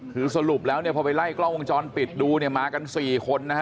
คือสรุปแล้วเนี่ยพอไปไล่กล้องวงจรปิดดูเนี่ยมากัน๔คนนะฮะ